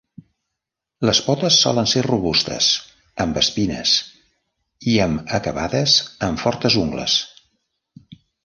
Les potes solen ser robustes, amb espines, i amb acabades en fortes ungles.